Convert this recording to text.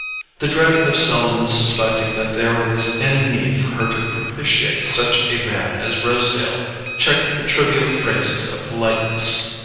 The dread of Selden's suspecting that there was any need for her to propitiate such a man as Rosedale checked the trivial phrases of politeness.